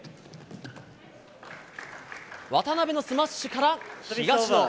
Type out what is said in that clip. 渡辺のスマッシュから東野。